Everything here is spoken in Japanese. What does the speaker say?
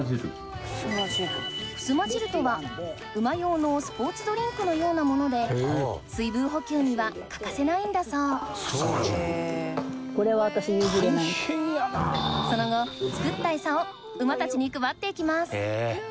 ふすま汁とは馬用のスポーツドリンクのようなもので水分補給には欠かせないんだそうその後待ってね。